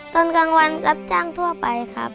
ตอนกลางวันรับจ้างทั่วไปครับ